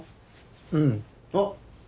うん。あっ。